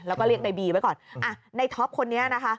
แล้วก็เรียกในบีไว้ก่อนอ่ะในท็อปคนนี้นะคะ